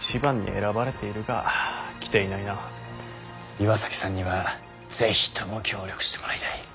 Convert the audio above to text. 岩崎さんには是非とも協力してもらいたい。